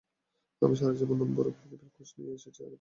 আমি সারাজীবন নশ্বর পৃথিবীর খোঁজ করে এসেছি আর তা এখন খুঁজে পেয়েছি।